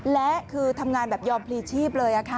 และคือทำงานแบบยอมพลีชีพเลย